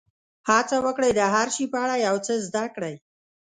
هڅه وکړئ د هر شي په اړه یو څه زده کړئ.